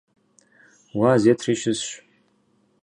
Уаз етри щысщ.